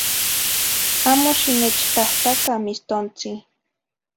Amo xinechtahtaca mistontzi.